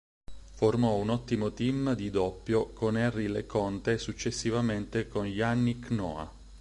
Formò un ottimo team di doppio con Henri Leconte e successivamente con Yannick Noah.